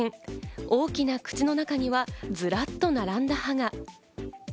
大きな口の中にはズラっと並んだ歯が。